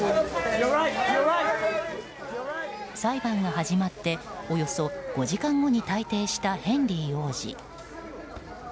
裁判が始まっておよそ５時間後に退廷したヘンリー王子。